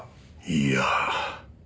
いや。